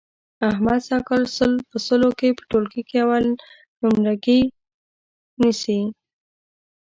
احمد سږ کال سل په سلو کې په ټولګي کې اول نمرګي نیسي.